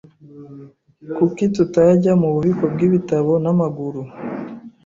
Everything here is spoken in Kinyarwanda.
Kuki tutajya mububiko bwibitabo n'amaguru?